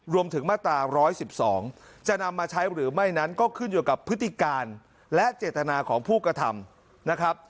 รวมถึงมาตรา๑๑๒จะนำมาใช้หรือไม่นั้นก็ขึ้นอยู่กับพฤติการและเจตนาของผู้กระทำนะครับ